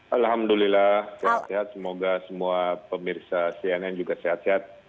alhamdulillah sehat sehat semoga semua pemirsa cnn juga sehat sehat